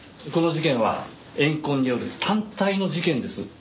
この事件は怨恨による単体の事件です。